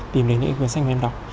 tìm đến những cái cuốn sách mà em đọc